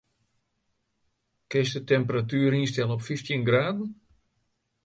Kinst de temperatuer ynstelle op fyftjin graden?